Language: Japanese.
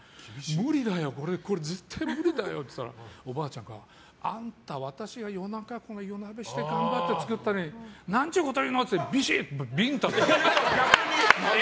無理だよ絶対これはって言ったらおばあちゃんがあなた、私が夜中から夜なべして頑張って作ったのに何ちゅうこと言うのってビンタされて。